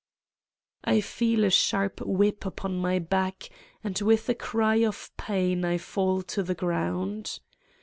I feel a sharp whip upon my back and with a cry of pain I fall to the ground.